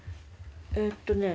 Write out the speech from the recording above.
えっとね。